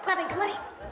apa yang kemarin